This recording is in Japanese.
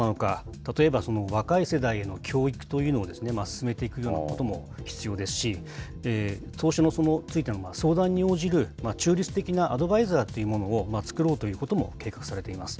例えば若い世代への教育というのを進めていくようなことも必要ですし、投資についての相談に応じる、中立的なアドバイザーというものを作ろうということも計画されています。